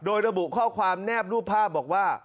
โดยระบุข้อความแนบรูปภาพบอกว่า